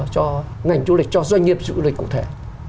cho ngành du lịch cho doanh nghiệp du lịch cụ thể